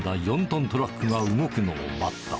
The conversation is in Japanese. ４トントラックが動くのを待った。